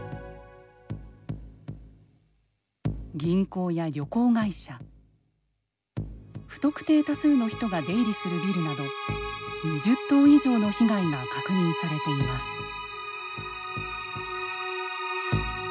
銀行や旅行会社不特定多数の人が出入りするビルなど２０棟以上の被害が確認されています。